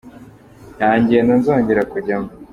Nta ngendo nzongera kujyamo.